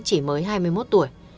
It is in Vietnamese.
chỉ mới hai mươi một tuổi